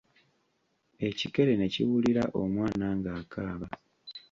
Ekikere ne kiwulira omwana ng'akaaba.